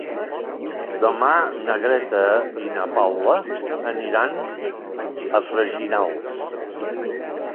Demà na Greta i na Paula aniran a Freginals.